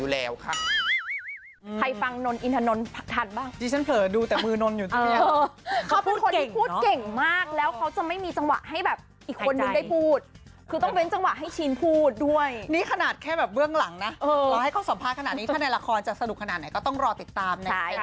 แล้วก็เป็นห่วงเสมออยู่แล้วค่ะ